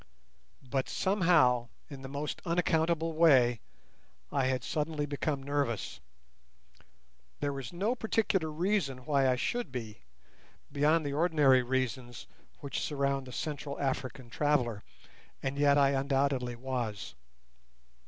But somehow, in the most unaccountable way, I had suddenly become nervous. There was no particular reason why I should be, beyond the ordinary reasons which surround the Central African traveller, and yet I undoubtedly was.